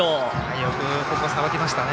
よくここさばきましたね。